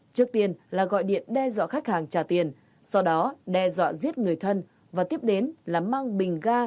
trước tiên là gọi điện đe dọa khách hàng trả tiền sau đó đe dọa giết người thân và tiếp đến là mang bình ga